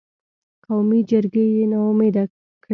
قومي جرګې یې نا امیده کړې.